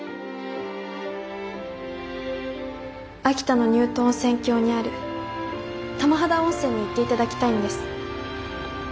秋田の乳頭温泉郷にある玉肌温泉に行っていただきたいんです。